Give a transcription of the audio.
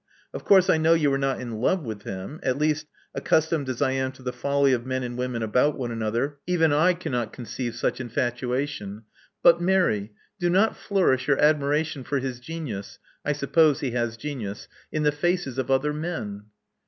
Of course I know you are not in love with him — at least, accustomed as I am to the folly of men and women about one another, even I Love Among the Artists 237 cannot conceive such infatuation; but, Mary, do not flourish your admiration for his genius (I suppose he has genius) in the faces of other men."